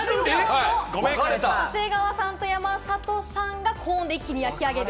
長谷川さんと山里さんが、高温で一気に焼き上げる。